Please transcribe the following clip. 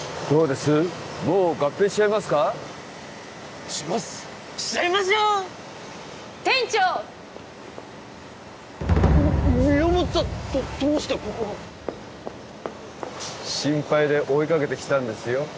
宮本さんどどうしてここが心配で追いかけてきたんですよ